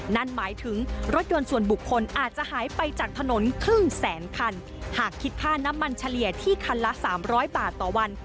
นั่นหมายถึงรถยนต์ส่วนบุคคลอาจจะหายไปจากถนนครึ่งแสนคันหากคิดค่าน้ำมันเฉลี่ยที่คันละสามร้อยบาทต่อวัน